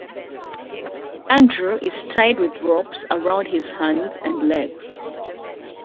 Andrew is tied with ropes around his arms and legs.